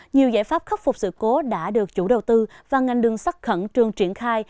nhiều giải pháp khắc phục sự cố đã được chủ đầu tư và ngành đường sắt khẩn trương triển khai